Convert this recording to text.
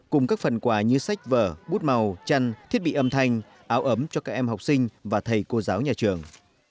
cùng các phần quà như sách vở bút màu chăn thiết bị âm thanh áo ấm cho các em học sinh và thầy cô giáo nhà trường